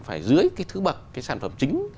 phải dưới cái thứ bậc cái sản phẩm chính